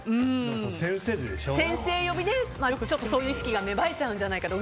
先生呼びでそういう意識が芽生えちゃうんじゃないかと。